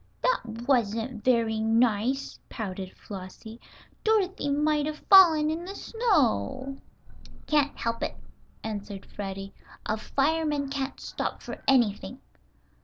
"That wasn't very nice," pouted Flossie. "Dorothy might have fallen in the snow." "Can't help it," answered Freddie. "A fireman can't stop for anything."